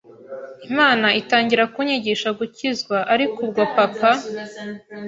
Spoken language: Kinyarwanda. Imana itangira kunyigisha gukizwa ariko ubwo papa